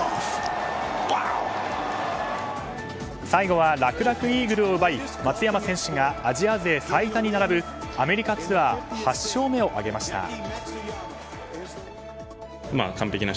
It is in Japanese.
最後は楽々イーグルを奪い松山選手がアジア勢最多に並ぶアメリカツアー８勝目を挙げました。